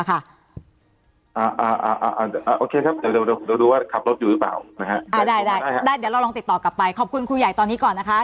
เดี๋ยวดูว่าขับรถอยู่หรือเปล่านะฮะเดี๋ยวเราลองติดต่อกลับไปขอบคุณครูใหญ่ตอนนี้ก่อนนะคะ